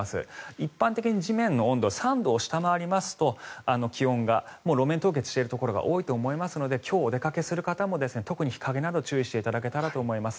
一般的に地面の温度が３度を下回りますと路面凍結しているところが多いと思いますので今日、お出かけする際も日陰など注意していただけたらと思います。